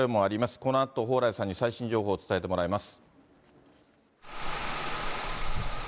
このあと蓬莱さんに、最新情報を伝えてもらいます。